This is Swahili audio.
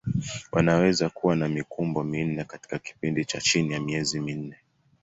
Wanaweza kuwa na mikumbo minne katika kipindi cha chini ya miezi minne.